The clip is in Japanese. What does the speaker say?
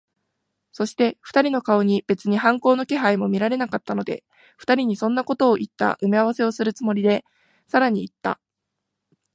そして、二人の顔に別に反抗の気配も見られなかったので、二人にそんなことをいった埋合せをするつもりで、さらにいった。